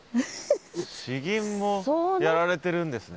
詩吟もやられてるんですね。